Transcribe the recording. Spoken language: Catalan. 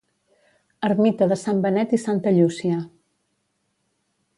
Ermita de Sant Benet i Santa Llúcia